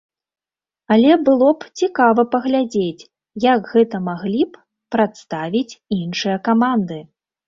Але было б цікава паглядзець, як гэта маглі б прадставіць іншыя каманды.